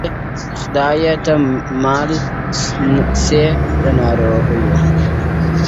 خدایه ته مل سې د ناروغانو.!